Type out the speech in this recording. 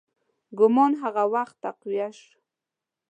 ګومان هغه وخت تقویه شو.